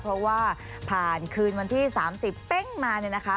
เพราะว่าผ่านคืนวันที่๓๐เป้งมาเนี่ยนะคะ